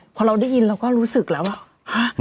พอเราได้ยินเราก็รู้สึกแล้วว่า